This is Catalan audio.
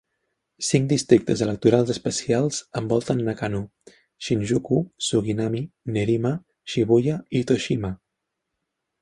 Cinc districtes electorals especials envolten Nakano: Shinjuku, Suginami, Nerima, Shibuya i Toshima.